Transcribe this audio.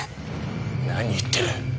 何言ってる。